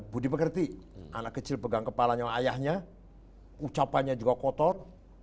budi mengerti anak kecil pegang kepalanya ayahnya ucapannya juga kotor